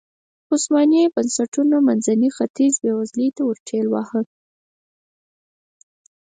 عثماني بنسټونو منځنی ختیځ بېوزلۍ ته ورټېل واهه.